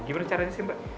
gimana caranya sih mbak